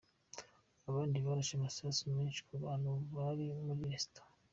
Abandi barashe amasasu menshi ku bantu bari muri resitora.